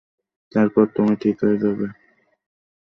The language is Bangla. তারপর তুমি ঠিক হয়ে যাবে।